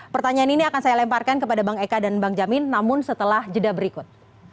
pertanyaan ini akan saya lemparkan kepada bang eka dan bang jamin namun setelah jeda berikut